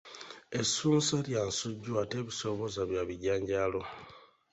Essunsa lya nsujju ate ebisoobooza bya bijanjaalo.